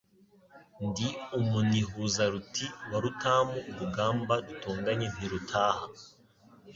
Ndi umunihuzaruti wa Rutamu urugamba dutonganye ntirutaha